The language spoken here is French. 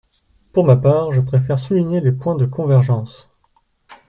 Pour ma part, je préfère souligner les points de convergence.